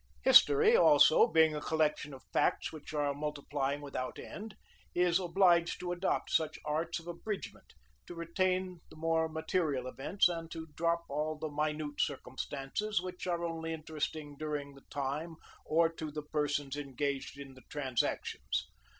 History, also, being a collection of facts which are multiplying without end, is obliged to adopt such arts of abridgment, to retain the more material events, and to drop all the minute circumstances, which are only interesting during the time, or to the persons engaged in the transactions.